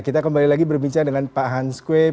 kita kembali lagi berbincang dengan pak hans kue